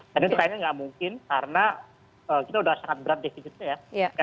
dan itu kayaknya nggak mungkin karena kita udah sangat berat defisitnya ya